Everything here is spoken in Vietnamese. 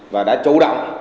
và đã chủ động